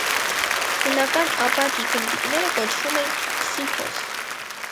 Հունական աբակի գնդիկները կոչվում էին պսիֆոս։